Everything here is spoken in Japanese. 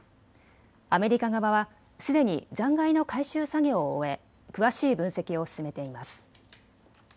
アメリカ側はすでに残骸の回収作業を終え詳しい分析を進めています。